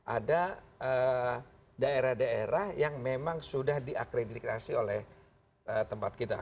ada daerah daerah yang memang sudah diakreditasi oleh tempat kita